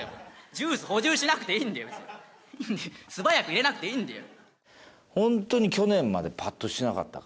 ジュース補充しなくていいんだよ素早く入れなくていいんだよ